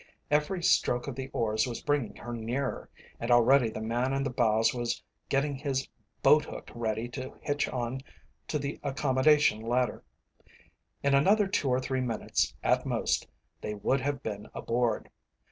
Every stroke of the oars was bringing her nearer, and already the man in the bows was getting his boat hook ready to hitch on to the accommodation ladder. In another two or three minutes at most, they would have been aboard.